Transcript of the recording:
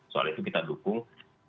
soal itu kita dukung